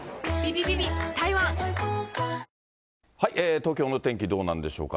東京のお天気どうなんでしょうか。